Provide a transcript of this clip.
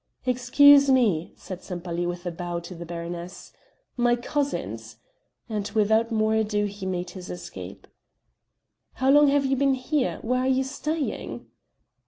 "Excuse me," said Sempaly with a bow to the baroness, "my cousins ..." and without more ado he made his escape. "How long have you been here? Where are you staying?"